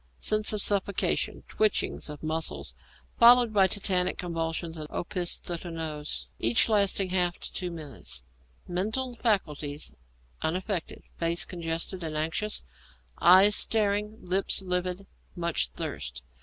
_ Sense of suffocation, twitchings of muscles, followed by tetanic convulsions and opisthotonos, each lasting half to two minutes. Mental faculties unaffected, face congested and anxious; eyes staring, lips livid; much thirst.